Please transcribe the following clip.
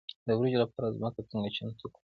د وریجو لپاره ځمکه څنګه چمتو کړم؟